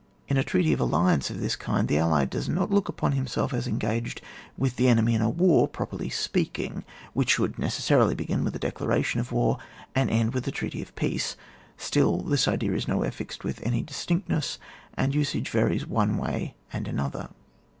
In a treaty of alliance of this kind, the ally does not look upon himself as engaged with the enemy in a war properly speaking, which should necessarily begin with a dedaration of war, and end with a treaty of peace. Still, this idea also is nowhere fixed with any distinctness, and usage varies one way and another.